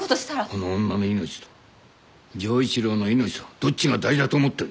この女の命と城一郎の命とどっちが大事だと思ってるんだ？